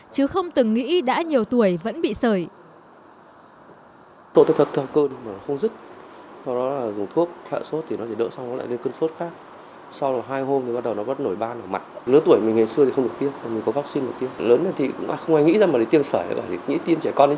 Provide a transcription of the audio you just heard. chứ không từng nghĩ đã nhiều tuổi vẫn bị sởi